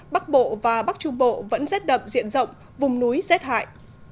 bắc bộ và bắc trung bộ vẫn rét đậm diện rộng vùng núi rét hại